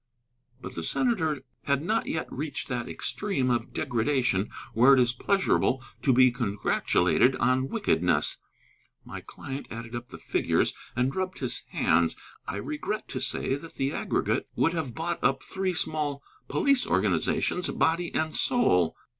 But the senator had not yet reached that extreme of degradation where it is pleasurable to be congratulated on wickedness. My client added up the figures and rubbed his hands. I regret to say that the aggregate would have bought up three small police organizations, body and soul.